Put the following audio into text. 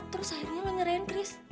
terus akhirnya lo nyariin chris